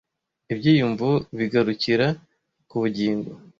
Ibyiyumvo bigarukira - ku bugingo,